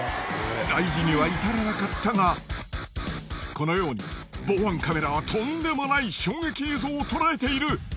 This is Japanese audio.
大事には至らなかったがこのように防犯カメラはとんでもない衝撃映像を捉えている。